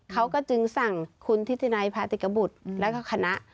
เขาก็จึงสั่งคุณทิศินายภาษาติกบุตรและคณะ